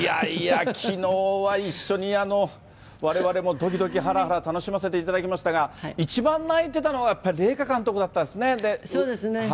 きのうは一緒にわれわれもどきどきはらはら楽しませていただきましたが、一番泣いてたのは、やっぱり麗華監督だったんですね。